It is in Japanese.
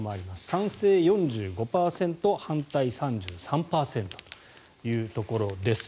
賛成、４５％反対、３３％というところです。